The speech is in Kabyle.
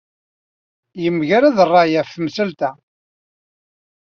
Yemgerrad ṛṛay ɣef temsalt-a.